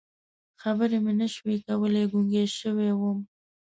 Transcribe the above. خبرې مې نه شوې کولی، ګونګی شوی وم.